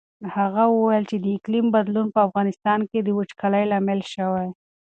هغه وویل چې د اقلیم بدلون په افغانستان کې د وچکالۍ لامل شوی.